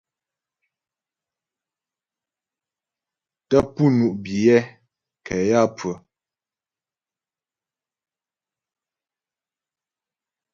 Tə́ pú ŋú' biyɛ nkɛ yaə́pfʉə́'ə.